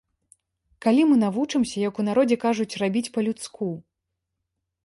Калі мы навучымся, як у народзе кажуць, рабіць па-людску?